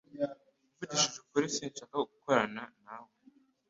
Mvugishije ukuri sinshaka gukorana nawe